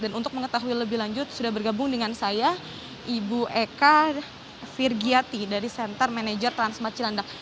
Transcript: dan untuk mengetahui lebih lanjut sudah bergabung dengan saya ibu eka virgyati dari senter manajer transmarcilandak